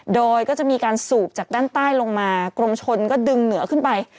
โดยก็จะมีการสูบจากด้านใต้ลงมากรมชนก็ดึงเหนือขึ้นไป